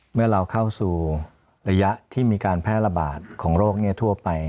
เมื่อเราเข้าสู่ระยะที่มีการแพร่ระบาดของโรคทั่วไป